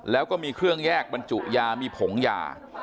แล้วก็มีเครื่องแยกบรรจุยามีผงยา